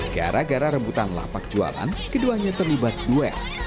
gara gara rebutan lapak jualan keduanya terlibat duel